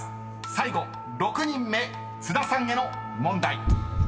最後６人目津田さんへの問題］